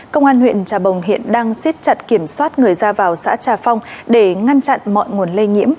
công an huyện trà bồng hiện đang siết chặt kiểm soát người ra vào xã trà phong để ngăn chặn mọi nguồn lây nhiễm